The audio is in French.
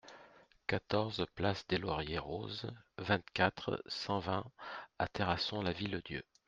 quatorze place des Lauriers Roses, vingt-quatre, cent vingt à Terrasson-Lavilledieu